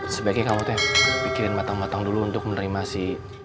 sebaiknya kamu pikirin matang matang dulu untuk menerima si